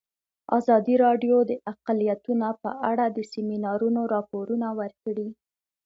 ازادي راډیو د اقلیتونه په اړه د سیمینارونو راپورونه ورکړي.